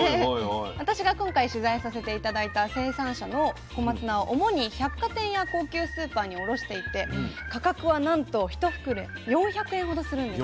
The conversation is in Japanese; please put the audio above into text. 私が今回取材させて頂いた生産者の小松菜は主に百貨店や高級スーパーに卸していて価格はなんと１袋４００円ほどするんです。